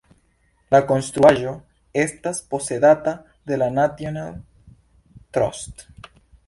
La konstruaĵo estas posedata de la National Trust.